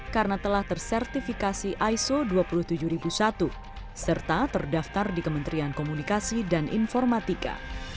karena telah tersertifikasi iso dua puluh tujuh ribu satu serta terdaftar di kementerian komunikasi dan informatika